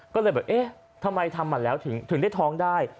ก็เลยแบบเอ๊ะทำไมทำมันแล้วถึงได้ท้องได้